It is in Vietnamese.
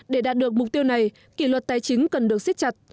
để đạt được mục tiêu này kỷ luật tài chính cần được xiết chặt